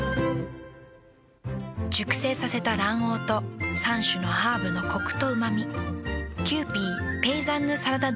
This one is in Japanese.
熟成させた卵黄と３種のハーブのコクとうま味。